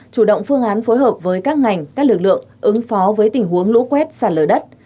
chủ động phương án phối hợp với các ngành các lực lượng ứng phó với tình huống lũ quét sạt lở đất